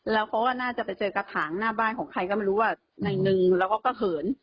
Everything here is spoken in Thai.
แล้วเขาก็น่าจะไปเจอกระถางหน้าบ้านของใครก็ไม่รู้ว่าในหนึ่งแล้วก็เหิน